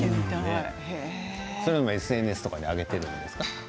それをＳＮＳに上げているんですか？